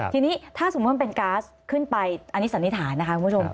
ทีนี้ถ้าสมมุติมันเป็นก๊าซขึ้นไปอันนี้สันนิษฐานนะคะคุณผู้ชม